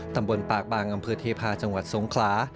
ตำบลปากบางอำเภอเทพาะจังหวัดสงขลา